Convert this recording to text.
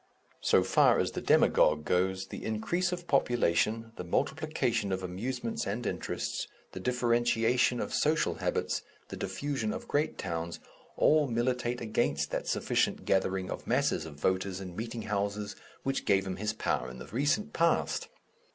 So far as the demagogue goes, the increase of population, the multiplication of amusements and interests, the differentiation of social habits, the diffusion of great towns, all militate against that sufficient gathering of masses of voters in meeting houses which gave him his power in the recent past.